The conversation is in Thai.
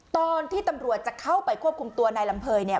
ตอนที่ตำรวจจะเข้าไปควบคุมตัวนายลำเภยเนี่ย